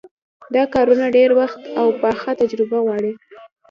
دا کارونه ډېر وخت او پخه تجربه غواړي.